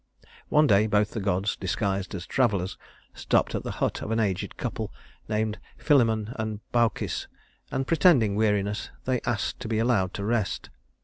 One day both the gods, disguised as travelers, stopped at the hut of an aged couple named Philemon and Baucis; and pretending weariness, they asked to be allowed to rest.